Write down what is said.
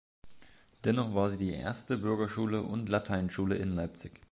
Dennoch war sie die erste Bürgerschule und Lateinschule in Leipzig.